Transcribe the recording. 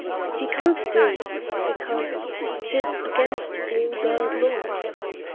He can't do it, because 'T is against all bird laws.